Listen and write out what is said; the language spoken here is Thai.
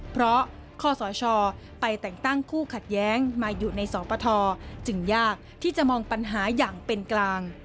เพราะข้อสชไปแต่งตั้งคู่ขัดแย้งมาอยู่ในสปทจึงยากที่จะมองปัญหาอย่างเป็นกลาง